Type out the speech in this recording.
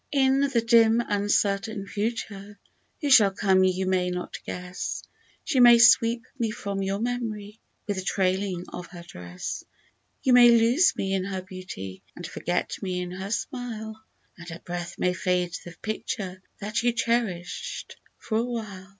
79 In the dim uncertain future, who shall come you may not guess, She may sweep me from your mem'ry with the trailing of her dress ; You may lose me in her beauty, and forget me in her smile, And her breath may fade the picture that you cherish'd for a while.